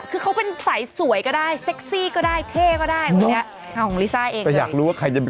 คือเขาเป็นสายสวยก็ได้เซ็กซี่ก็ได้เท่ก็ได้อย่างนี้